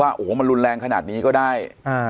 ว่าโอ้โหมันรุนแรงขนาดนี้ก็ได้